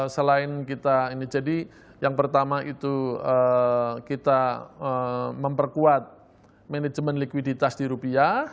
selain kita ini jadi yang pertama itu kita memperkuat manajemen likuiditas di rupiah